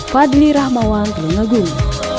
fadli rahmawan telungagung